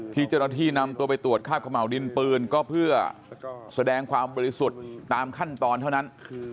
ที่เจ้าหน้าที่นำตัวไปตรวจคาบขม่าวดินปืนก็เพื่อแสดงความบริสุทธิ์ตามขั้นตอนเท่านั้น